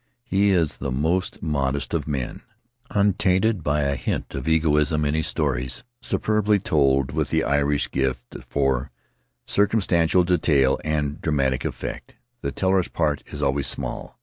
He is the most modest of men, untainted by a trace of egoism; in his stories, superbly told with the Irish gift for cir cumstantial detail and dramatic effect, the teller's part is always small.